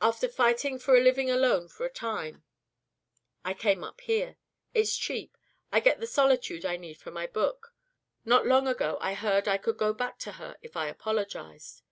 After fighting for a living alone for a time, I came up here. It's cheap. I get the solitude I need for my book. Not long ago I heard I could go back to her if I apologized."